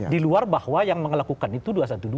di luar bahwa yang melakukan itu dua ratus dua belas